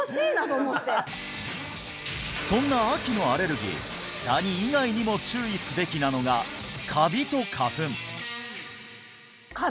そんな秋のアレルギーダニ以外にも注意すべきなのがカビと花粉！